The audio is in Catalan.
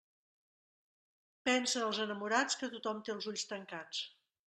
Pensen els enamorats que tothom té els ulls tancats.